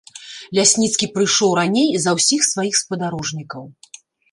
Лясніцкі прыйшоў раней за ўсіх сваіх спадарожнікаў.